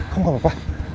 kamu gak apa apa